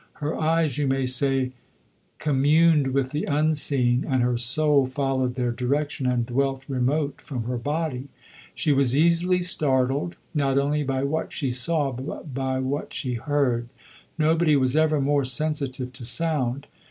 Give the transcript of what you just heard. Her eyes, you may say, communed with the unseen, and her soul followed their direction and dwelt remote from her body. She was easily startled, not only by what she saw but by what she heard. Nobody was ever more sensitive to sound.